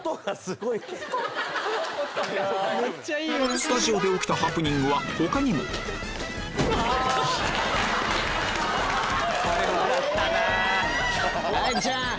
スタジオで起きたハプニングは他にもえ⁉愛梨ちゃん